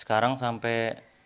sekarang sampai empat puluh lima